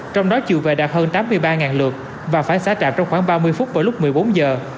trong đó chiều về đạt hơn tám mươi ba lượt và phải xá trạm trong khoảng ba mươi phút vào lúc một mươi bốn giờ